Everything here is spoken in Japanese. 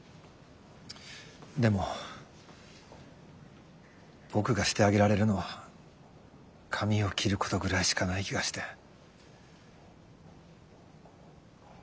でも僕がしてあげられるのは髪を切ることぐらいしかない気がして。